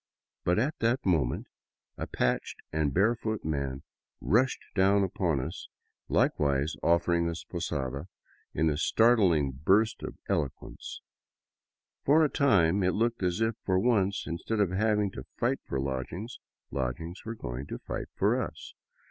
But at that moment a patched and barefoot man rushed down upon us, likewise offering us posada in a startling burst of elo quence. For a time it looked as if, for once, instead of having to fight for lodgings, lodgings were going to fight for us.